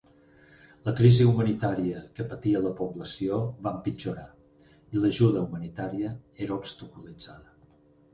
La crisi humanitària que patia la població va empitjorar, i l'ajuda humanitària era obstaculitzada.